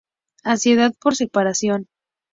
Ansiedad por separación.